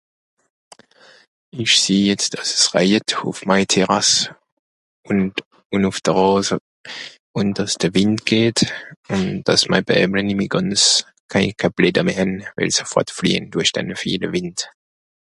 Ìch sieh jetz, dàss es räjet ùff mei Terasse. Ùnd... ùn ùf de Ràse. Ùn dàss de Wìnd geht... ùn dàss mei (...) nìmmi gànz (...) sofort fliehen, durch danne viele Wìnd.